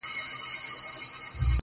هغې ليونۍ بيا د غاړي هار مات کړی دی,